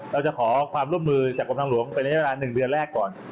เราจะขอความร่วมมือจากกรมทางหลวงเป็นระยะเวลา๑เดือนแรกก่อน